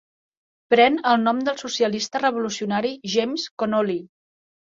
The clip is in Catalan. Pren el nom del socialista revolucionari James Connolly.